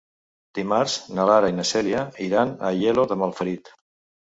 Dimarts na Lara i na Cèlia iran a Aielo de Malferit.